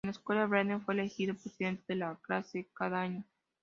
En la escuela, Brenner fue elegido presidente de la clase cada año.